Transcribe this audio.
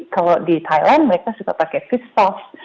kalau di thailand mereka suka pakai fish sauce